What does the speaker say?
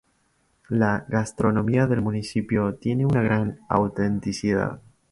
La gastronomía del municipio tiene una gran autenticidad.